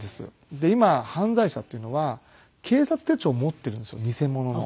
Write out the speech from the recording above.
で今犯罪者っていうのは警察手帳を持っているんですよ偽物の。